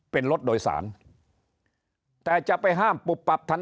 เป็นรถโดยสารแต่จะไปห้ามปุบปับทัน